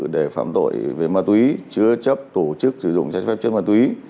để phạm tội về ma túy chứa chấp tổ chức sử dụng trái phép chất ma túy